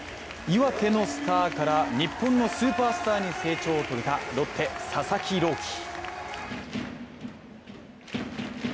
岩手のスターから日本のスーパースターに成長を遂げたロッテ・佐々木朗希。